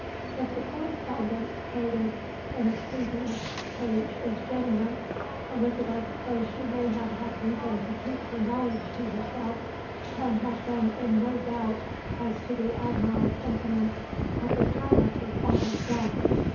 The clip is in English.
If the correspondence quoted in a previous page is genuine, Elizabeth, though she may have had reason to keep her knowledge to herself, can have been in no doubt as to the Admiral's sentiments at the time of her father's death.